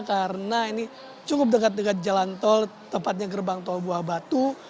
karena ini cukup dekat dekat jalan tol tepatnya gerbang tol buah batu